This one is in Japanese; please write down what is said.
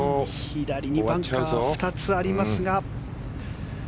左にバンカーが２つありますが。